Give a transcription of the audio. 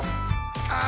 ああ！